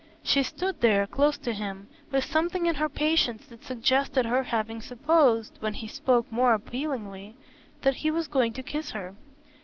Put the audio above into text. She stood there close to him, with something in her patience that suggested her having supposed, when he spoke more appealingly, that he was going to kiss her.